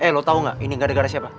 eh lo tau gak ini gak ada gara siapa